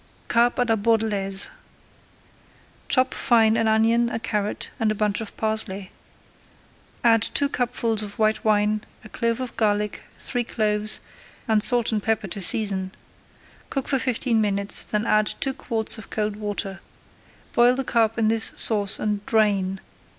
CARP À LA BORDELAISE Chop fine an onion, a carrot, and a bunch of parsley. Add two cupfuls of white wine, a clove of garlic, three cloves, and salt and pepper to season. Cook for fifteen minutes, then add two quarts of cold water. Boil the carp in this sauce and drain.